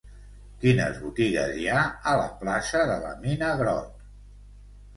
Quines botigues hi ha a la plaça de la Mina Grott?